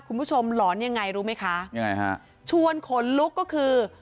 หลอนยังไงรู้ไหมคะยังไงฮะชวนขนลุกก็คือ